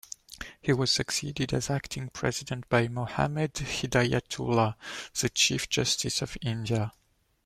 He was succeeded as Acting President by Mohammad Hidayatullah, the Chief Justice of India.